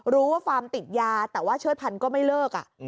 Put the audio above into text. ฟาร์มติดยาแต่ว่าเชิดพันธุก็ไม่เลิก